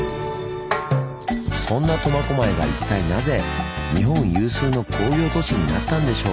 そんな苫小牧が一体なぜ日本有数の工業都市になったんでしょう？